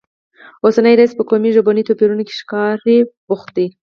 اوسنی رییس په قومي او ژبنیو توپیرونو کې ښکاره بوخت دی